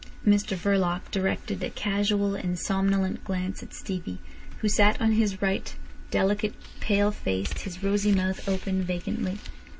Mr Verloc directed a casual and somnolent glance at Stevie, who sat on his right, delicate, pale faced, his rosy mouth open vacantly.